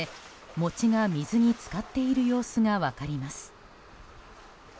餅が水に浸かっている様子が分かります。